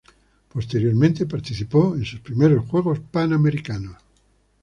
Posteriormente participó en sus primeros Juegos Panamericanos.